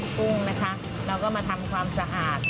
กุ้งนะคะเราก็มาทำความสะอาด